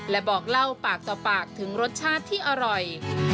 และบอกเล่าปากต่อปากถึงรสชาติที่อร่อย